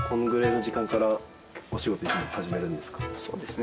そうですね。